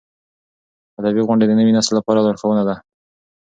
ادبي غونډې د نوي نسل لپاره لارښوونه ده.